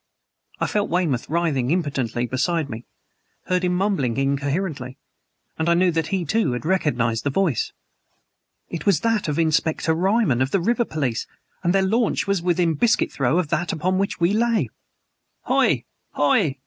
I felt Weymouth writhing impotently beside me; heard him mumbling incoherently; and I knew that he, too, had recognized the voice. It was that of Inspector Ryman of the river police and their launch was within biscuit throw of that upon which we lay! "'Hoy! 'Hoy!"